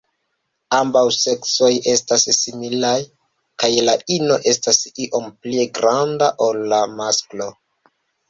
Ambaŭ seksoj estas similaj, kaj la ino estas iom pli granda ol la masklo.